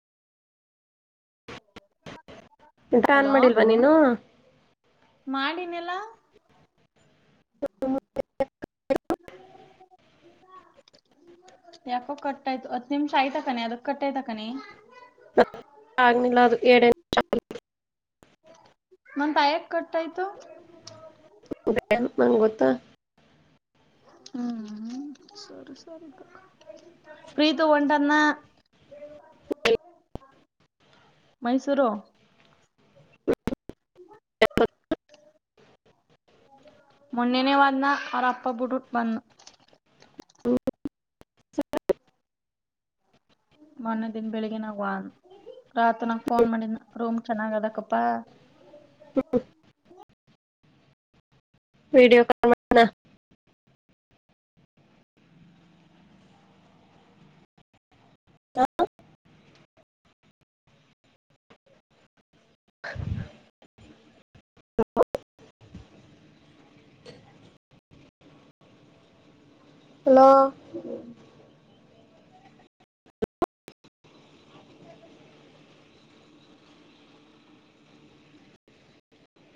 [unintelligible] net on ಮಾಡಿಲ್ವಾ ನೀನು ಮಾಡಿನೆಲ್ಲಾ [unintelligible] ಯಾಕೋ ಕಟಾಯ್ತು ಹತ್ ನಿಮಿಷ ಆಯ್ತಕಾನೆ ಅದಕ್ ಕಟಾಯ್ತಕಾನೆ ಆಗ್ನೀ ಲದು ಏಡೆ [inaudible] ಮತಯಕ್ ಕಟ್ಟಾಯ್ತು ನಂಗ ಗೊತ್ತಾ ಹ್ಮ ಸರಿ ಸರಿ ಪ್ರೀತು ಹೊಟನ್ನ ಮೈಸೂರು ಮೊನ್ನೆನೇ ಹೊದ್ನ ಅವರಪ್ಪ ಬುಟ್ಟುಬಾನ್ ಮೊನ್ನೆ ದನ್ ಬೆಳಿಗ್ಗಿನಾಗುವ ರಾತ್ ನಂಗ ಫೋನ್ ಮಾಡಿದ ರೂಮ್ ಚೆನ್ನಾಗ್ ಅದಕಪ್ಪಾ ಹ್ಮ ವಿಡಿಯೋ ಕಲ್ ಮಾಡ ಹ [unintelligible] ಲೋ